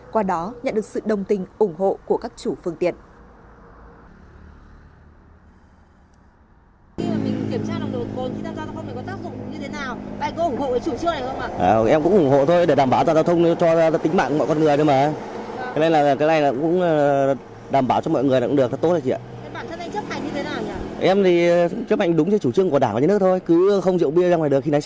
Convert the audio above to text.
qua đó nhận được sự đồng tình ủng hộ của các chủ phương tiện